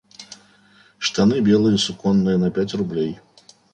Штаны белые суконные на пять рублей.